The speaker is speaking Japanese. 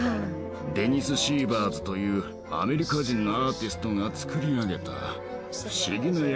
デニス・シーバーズというアメリカ人のアーティストが作り上げた不思議な館だよ。